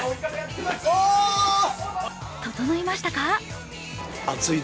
ととのいましたか？